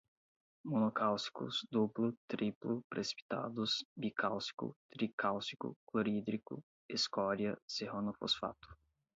monocálcicos, duplo, triplo, precipitados, bicálcico, tricálcico, clorídrico, escória, serranofosfato